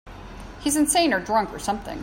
He's insane or drunk or something.